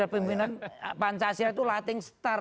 pemimpinan pancasila itu latin star